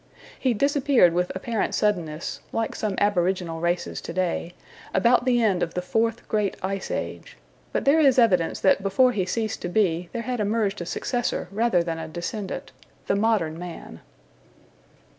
He disappeared with apparent suddenness (like some aboriginal races to day) about the end of the Fourth Great Ice Age; but there is evidence that before he ceased to be there had emerged a successor rather than a descendant the modern man.